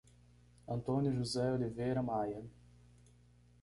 Antônio José Oliveira Maia